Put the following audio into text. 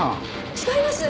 違います！